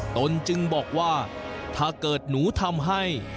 ตนจึงบอกว่าถ้าเกิดหนูทำให้